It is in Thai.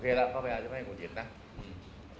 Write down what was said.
โอเคและเขาไปแล้วไปให้ไม่กดหยิตนะ